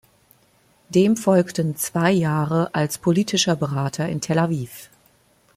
Dem folgten zwei Jahre als politischer Berater in Tel Aviv.